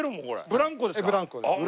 ブランコです。